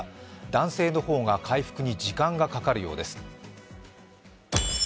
男性の方が回復に時間がかかるようです。